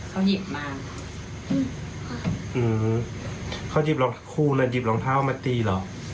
เขาหยิบมาอืมเขาหยิบรองคู่เลยหยิบรองเท้ามาตีเหรอ